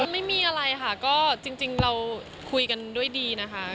ไม่มีอะไรค่ะก็จริงเราคุยกันด้วยดีนะคะ